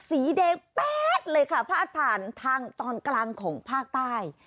สีแดงแป๊ดเลยค่ะพาดผ่านทางตอนกลางของภาคใต้